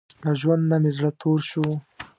له ژوند نۀ مې زړه تور شو